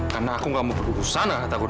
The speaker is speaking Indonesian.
karena aku tidak mau berusaha takut takut